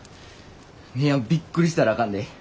姉やんびっくりしたらあかんで。